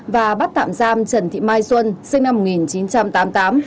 và bắt tạm giam trần thị mai xuân sinh năm một nghìn chín trăm tám mươi tám